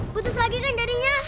putus lagi kan jadinya